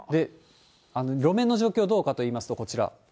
路面の状況、どうかといいますと、こちら。